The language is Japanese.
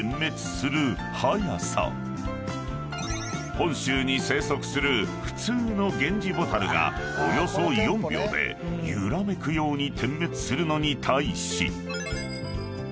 ［本州に生息する普通のゲンジボタルがおよそ４秒で揺らめくように点滅するのに対し］